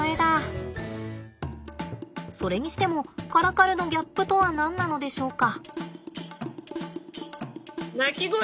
それにしてもカラカルのギャップとは何なのでしょうか。